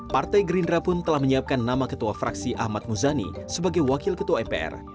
partai gerindra pun telah menyiapkan nama ketua fraksi ahmad muzani sebagai wakil ketua mpr